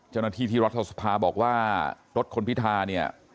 เจ้าหน้าที่ที่รัฐสภาบอกว่ารถคุณพิธาเนี่ย